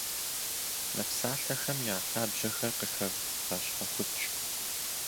Мы псалъэхэм я лъабжьэхэр къыхэвгъэщхьэхукӏ.